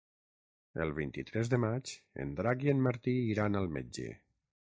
El vint-i-tres de maig en Drac i en Martí iran al metge.